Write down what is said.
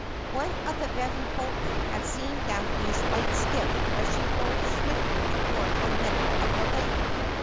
One of the Vevey boatmen had seen Daphne's light skiff as she rowed swiftly towards the middle of the lake.